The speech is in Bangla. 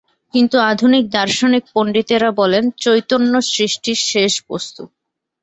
কিন্তু আধুনিক দার্শনিক পণ্ডিতেরা বলেন, চৈতন্য সৃষ্টির শেষ বস্তু।